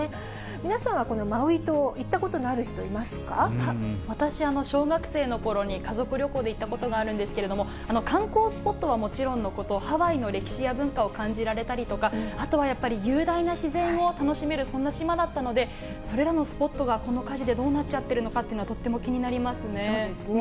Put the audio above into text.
皆さんはこのマウイ島、行ったこ私、小学生のころに家族旅行で行ったことがあるんですけれども、観光スポットはもちろんのこと、ハワイの歴史や文化を感じられたりとか、あとはやっぱり雄大な自然を楽しめる、そんな島だったので、それらのスポットがこの火事でどうなっちゃってるのかというのはそうですね。